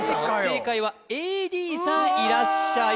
正解はＡＤさん、いらっしゃい！